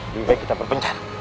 di web kita berpencar